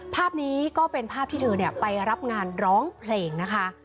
ภาพนี้ก็เป็นภาพที่เธอไปรับงานร้องเพลงนะคะ